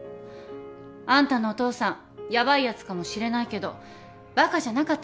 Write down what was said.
あんたのお父さんヤバいやつかもしれないけどバカじゃなかったみたいね。